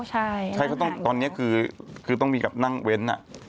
ใช่ตอนนี้คือต้องมีกับนั่งเว้น